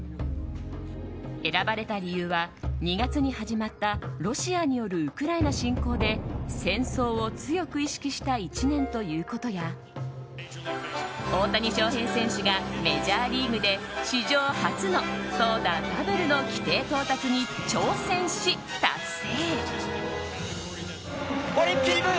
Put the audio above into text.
選ばれた理由は、２月に始まったロシアによるウクライナ侵攻で戦争を強く意識した１年ということや大谷翔平選手がメジャーリーグで史上初の投打ダブルの規定到達に挑戦し、達成。